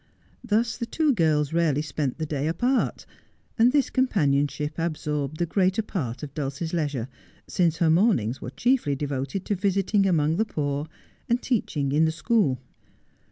Thus the two girls rarely spent the day apart, and this companionship absorbed the greater part of Dulcie's leisure, since her mornings were chiefly devoted to visiting among the poor, and teaching in the school.